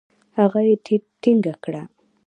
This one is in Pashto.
هغه يې ټينګه کړه.